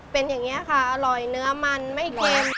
เป็นอย่างนี้ค่ะอร่อยเนื้อมันไม่เค็ม